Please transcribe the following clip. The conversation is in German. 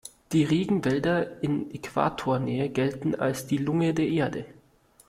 Die Regenwälder in Äquatornähe gelten als die Lunge der Erde.